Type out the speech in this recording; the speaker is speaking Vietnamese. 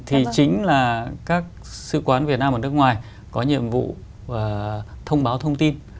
thì chính là các sư quán việt nam ở nước ngoài có nhiệm vụ thông báo thông tin